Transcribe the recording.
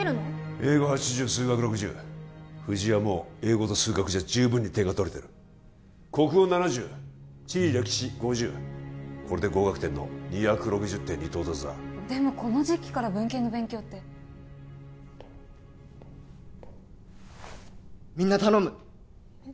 英語８０数学６０藤井はもう英語と数学じゃ十分に点が取れてる国語７０地理歴史５０これで合格点の２６０点に到達だでもこの時期から文系の勉強ってみんな頼むえっ